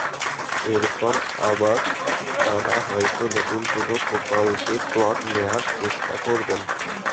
এরপর আবার তাঁরা হয়তো নতুন কোনো প্রকল্পে প্লট নেওয়ার চেষ্টা করবেন।